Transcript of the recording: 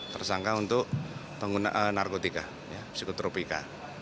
tersangka untuk pengguna narkotika psikotropika